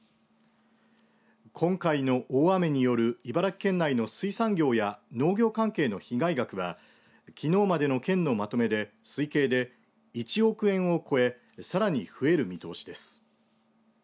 今回の大雨による茨城県内の水産業や農業関係の被害額はきのうまでの県のまとめで推計で１億円を超えさらに増える見通しです。